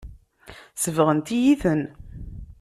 Sebɣent-iyi-ten.